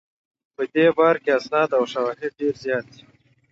په دې باره کې اسناد او شواهد ډېر زیات دي.